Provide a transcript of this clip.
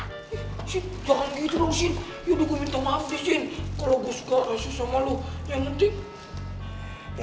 eh sin jangan gitu dong sin yaudah gue minta maaf deh sin kalau gue suka rese sama lu yang penting